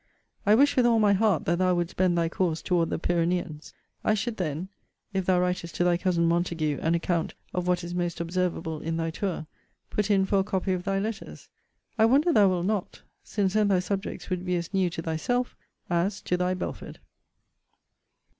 I wish, with all my heart, that thou wouldst bend thy course toward the Pyraneans. I should then (if thou writest to thy cousin Montague an account of what is most observable in thy tour) put in for a copy of thy letters. I wonder thou wilt not; since then thy subjects would be as new to thyself, as to Thy BELFORD.